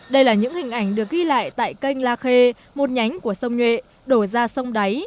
đây là những hình ảnh được ghi lại tại kênh la khê một nhánh của sông nhuệ đổ ra sông đáy